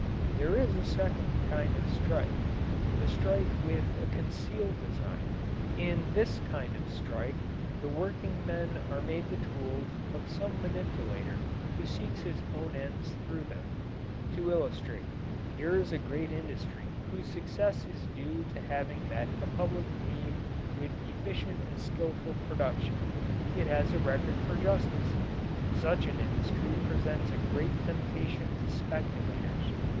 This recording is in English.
There is a second kind of strike the strike with a concealed design. In this kind of strike the workingmen are made the tools of some manipulator who seeks his own ends through them. To illustrate: Here is a great industry whose success is due to having met a public need with efficient and skillful production. It has a record for justice. Such an industry presents a great temptation to speculators.